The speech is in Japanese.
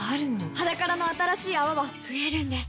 「ｈａｄａｋａｒａ」の新しい泡は増えるんです